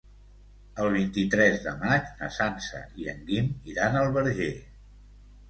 El vint-i-tres de maig na Sança i en Guim iran al Verger.